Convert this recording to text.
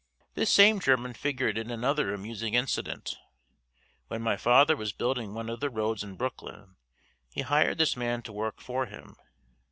This same German figured in another amusing incident. When my father was building one of the roads in Brooklyn, he hired this man to work for him.